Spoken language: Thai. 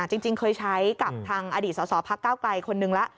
จริงเคยใช้กับทางอดีตสอสอภักดิ์เก้าไกรคนนึงล่ะ